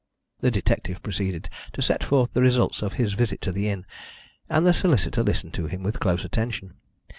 The detective proceeded to set forth the result of his visit to the inn, and the solicitor listened to him with close attention.